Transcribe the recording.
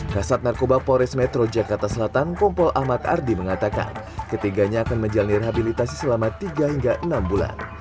kasat narkoba pores metro jakarta selatan kompol ahmad ardi mengatakan ketiganya akan menjalani rehabilitasi selama tiga hingga enam bulan